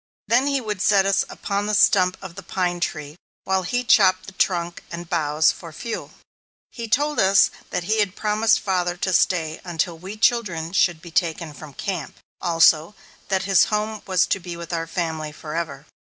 Then he would set us upon the stump of the pine tree while he chopped the trunk and boughs for fuel. He told us that he had promised father to stay until we children should be taken from camp, also that his home was to be with our family forever.